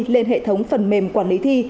lên hệ thống phần mềm quản lý thi